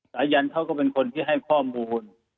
สายันเขาก็เป็นคนที่ให้ข้อมูล